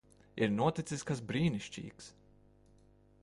Ir noticis kas brīnišķīgs.